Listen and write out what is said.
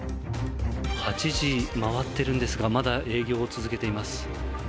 ８時を回っているんですがまだ営業を続けています。